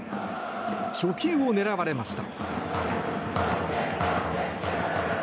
初球を狙われました。